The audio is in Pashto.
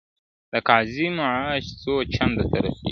د قاضي معاش څو چنده ته رسېږې -